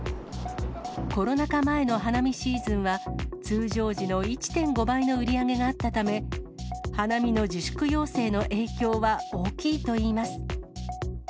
コロナ禍前の花見シーズンは、通常時の１．５倍の売り上げがあったため、花見の自粛要請の影響は大きいといいます。